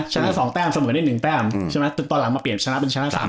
ชนะได้๒แต้มเสมอได้๑แต้มจนตอนหลังเปลี่ยนเป็นชนะได้๓แต้ม